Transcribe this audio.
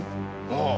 ああ。